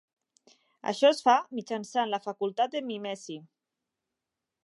Això es fa mitjançant la facultat de mimesi.